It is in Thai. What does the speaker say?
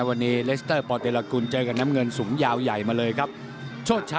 น้ำเงินนี่สูงมาเลยนะฮะ